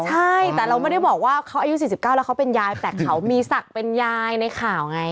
ใช่แต่เราไม่ได้บอกว่าเขาอายุ๔๙แล้วเขาเป็นยายแต่เขามีศักดิ์เป็นยายในข่าวไง